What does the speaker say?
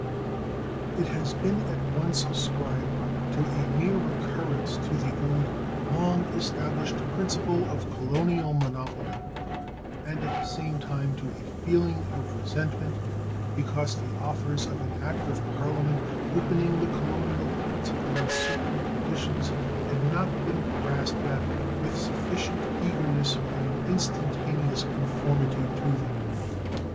It has been at once ascribed to a mere recurrence to the old, long established principle of colonial monopoly and at the same time to a feeling of resentment because the offers of an act of Parliament opening the colonial ports upon certain conditions had not been grasped at with sufficient eagerness by an instantaneous conformity to them.